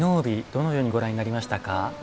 どのようにご覧になりましたか？